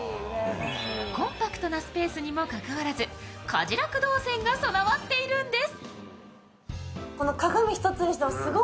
コンパクトなスペースにもかかわらず家事ラク導線が備わっているんです。